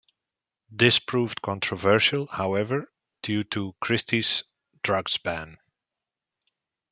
This proved controversial however, due to Christie's drugs ban.